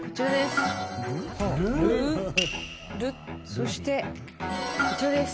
そしてこちらです。